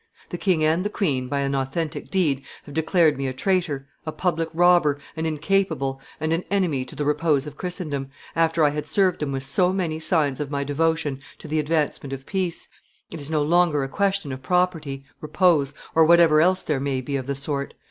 The king and the queen, by an authentic deed, have declared me a traitor, a public robber, an incapable, and an enemy to the repose of Christendom, after I had served them with so many signs of my devotion to the advancement of peace: it is no longer a question of property, repose, or whatever else there may be of the sort.